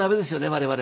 我々。